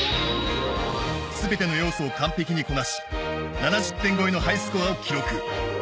全ての要素を完璧にこなし７０点超えのハイスコアを記録。